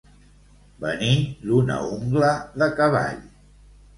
Venir d'una ungla de cavall.